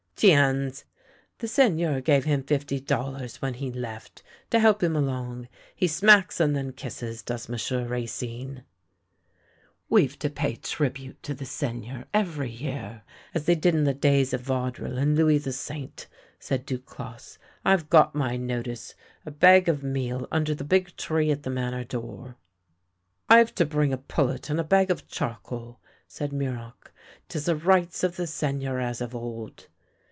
" Ticiis! The Seigneur gave him fifty dollars when he left, to help him along — he smacks and then kisses, does M'sieu' Racine! "" We've to pay tribute to the Seigneur every year, as they did in the days of Vaudreuil and Louis the Saint," said Duclosse. " I've got my notice — a bag of meal under the big tree at the Manor door." " I've to bring a pullet and a bag of charcoal," said Muroc. " 'Tis the rights of the Seigneur as of old."